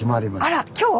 あら今日？